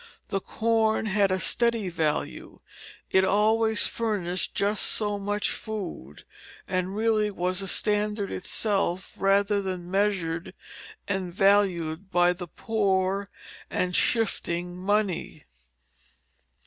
The corn had a steady value, it always furnished just so much food; and really was a standard itself rather than measured and valued by the poor and shifting money.